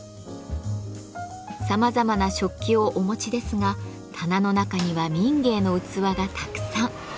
さまざまな食器をお持ちですが棚の中には民藝の器がたくさん。